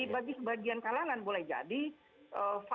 bagi sebagian kalangan boleh jadi fasilitas mewah yang dibuat oleh ya